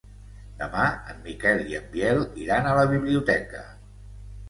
Demà en Miquel i en Biel iran a la biblioteca.